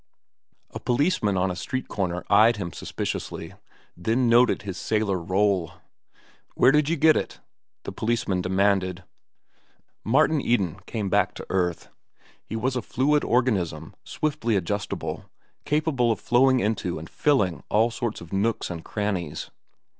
A policeman on a street corner eyed him suspiciously, then noted his sailor roll. "Where did you get it?" the policeman demanded. Martin Eden came back to earth. His was a fluid organism, swiftly adjustable, capable of flowing into and filling all sorts of nooks and crannies.